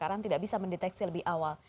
karena tidak bisa mendeteksi lebih awal